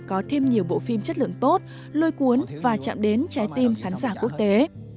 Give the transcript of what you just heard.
có thêm nhiều bộ phim chất lượng tốt lôi cuốn và chạm đến trái tim khán giả quốc tế